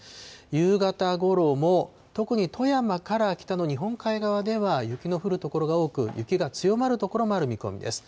夕方ごろも特に富山から北の日本海側では雪の降る所が多く、雪が強まる所もある見込みです。